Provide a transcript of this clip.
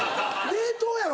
冷凍やろ？